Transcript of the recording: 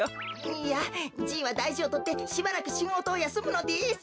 いやじいはだいじをとってしばらくしごとをやすむのです。